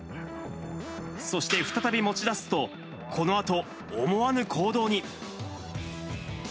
そして再び持ち出すと、このあと、思わぬ行動に。